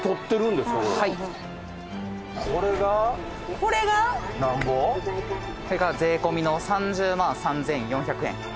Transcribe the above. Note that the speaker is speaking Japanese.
これが税込みの３０万３，４００円。